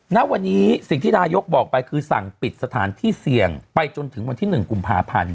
ณวันนี้สิ่งที่นายกบอกไปคือสั่งปิดสถานที่เสี่ยงไปจนถึงวันที่๑กุมภาพันธ์